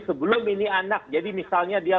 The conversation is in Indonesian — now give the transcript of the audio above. sebelum ini anak jadi misalnya dia